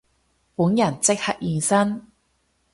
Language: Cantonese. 本人即刻現身